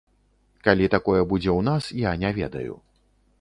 Калі такое будзе ў нас, я не ведаю.